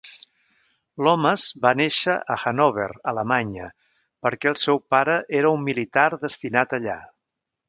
Lomas va néixer a Hanover, Alemanya, perquè el seu pare era un militar destinat allà.